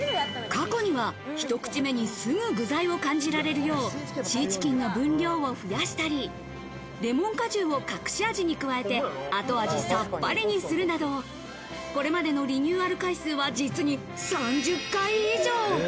過去には、ひと口目にすぐ具材を感じられるよう、シーチキンの分量を増やしたり、レモン果汁を隠し味に加えて、後味さっぱりにするなど、これまでのリニューアル回数は実に３０回以上。